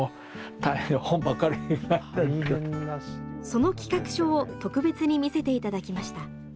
その企画書を特別に見せていただきました。